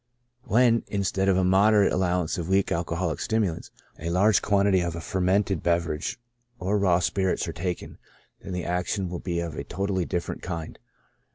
When, instead of a moderate allowance of weak alco holic stimulants, a large quantity of a fermented beverage or raw spirits are taken, then the action will be of a totally different kind.